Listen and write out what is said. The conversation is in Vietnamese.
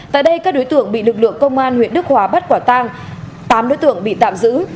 tại đây các đối tượng bị lực lượng công an huyện đức hòa bắt quả tang tám đối tượng bị tạm giữ